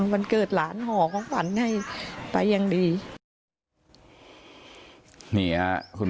วันเกิดหลาน